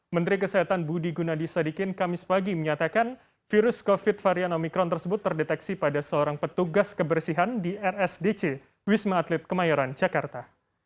menteri kesehatan budi gunadisadikin kamis pagi menyatakan virus covid varian omikron tersebut terdeteksi pada seorang petugas kebersihan di rsdc wisma atlet kemayoran jakarta